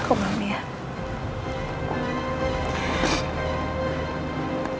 aku mau lihat